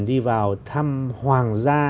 đi vào thăm hoàng gia